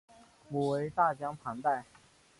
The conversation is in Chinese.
母为大江磐代。